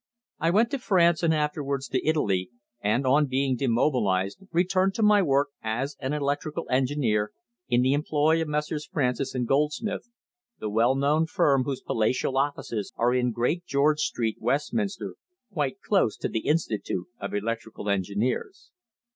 I went to France and afterwards to Italy, and on being demobilized returned to my work as an electrical engineer in the employ of Messrs. Francis and Goldsmith, the well known firm whose palatial offices are in Great George Street, Westminster, quite close to the Institute of Electrical Engineers.